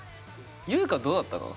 ゆいかどうだったの？